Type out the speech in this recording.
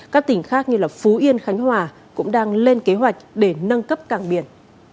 các tỉnh khác như phú yên khánh hòa cũng đang lên kế hoạch để nâng cấp cảng biển